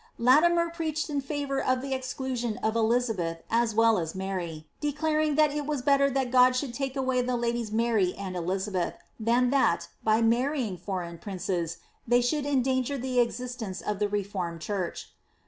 LAtimer preached in favour of the exclusion of Elizabeth as well as Mary, declaring that it was better that God should take away the ladies Mary and Elizabeth, than that, by marrying foreign princes, they should endanger the existence of the reformed church.